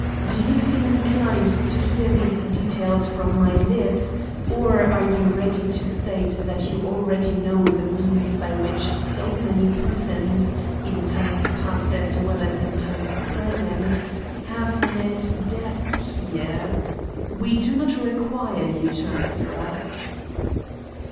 Do you feel inclined to hear these details from my lips, or are you ready to state that you already know the means by which so many persons, in times past as well as in times present, have met death here? We do not require you to answer us."